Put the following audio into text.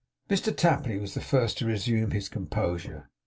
Mr Tapley was the first to resume his composure.